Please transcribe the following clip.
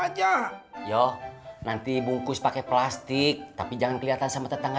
aja ya nanti bungkus pakai plastik tapi jangan kelihatan sama tetangga